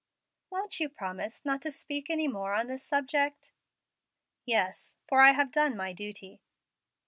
"Won't you promise not to speak any more on this subject?" "Yes, for I have done my duty."